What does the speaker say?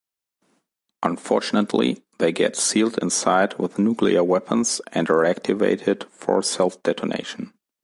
Unfortunately they get sealed inside with nuclear weapons and are activated for self-detonation.